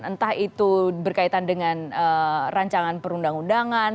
entah itu berkaitan dengan rancangan perundang undangan